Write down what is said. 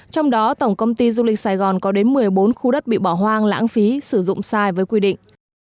trong đó tổng công ty du lịch sài gòn có đến một mươi bốn khu đất bị bỏ hoang lãng phí sử dụng sai với quy định